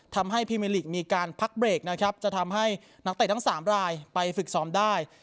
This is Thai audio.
ทำให้พรีเมอร์ลีกมีการพักเบรกนะครับจะทำให้นักเตะทั้ง๓รายไปฝึกซ้อมได้